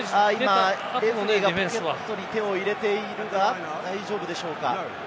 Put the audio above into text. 今、ポケットに手を入れているが大丈夫でしょうか？